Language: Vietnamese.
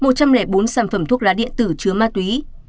một trăm linh bốn sản phẩm thuốc lá điện tử chứa ma túy